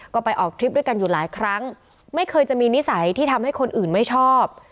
ก็ไปออกทริปด้วยกันอยู่หลายครั้งไม่เคยจะมีนิสัยที่ทำให้คนอื่นไม่ชอบ